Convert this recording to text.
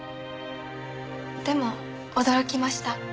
でも驚きました。